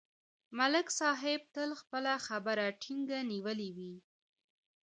ملک صاحب تل خپله خبره ټینګه نیولې وي